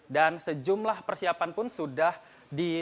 dan sejumlah persiapan pun sudah dilakukan